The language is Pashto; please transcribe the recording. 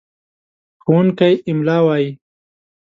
ښوونکی املا وايي.